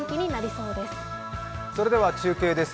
それでは中継です。